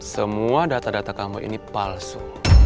semua data data kami ini palsu